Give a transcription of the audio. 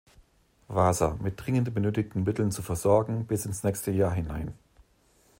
Wasa, mit dringend benötigten Mitteln zu versorgen, bis ins nächste Jahr hinein.